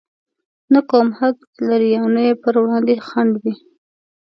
نه کوم حد لري او نه يې پر وړاندې خنډ وي.